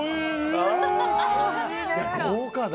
豪華だ！